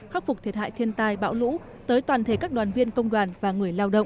khắc phục thiệt hại thiên tai bão lũ tới toàn thể các đoàn viên công đoàn và người lao động